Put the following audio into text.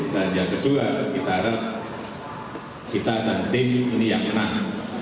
dan yang kedua kita harap kita dan tim ini yang menang